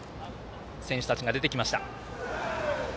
選手たちが出てきました。